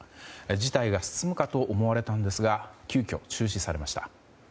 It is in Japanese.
事態が進むかと思われたんですが急きょ、中止されました。